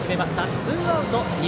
ツーアウト、二塁。